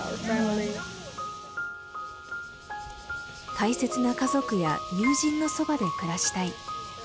大切な家族や友人のそばで暮らしたい。